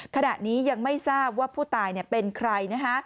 ขณะนี้ยังไม่ทราบว่าผู้ตายเป็นใคร